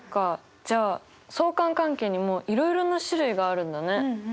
じゃあ相関関係にもいろいろな種類があるんだね。